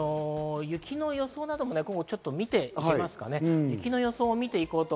雪の予想などもちょっと見ていきますか。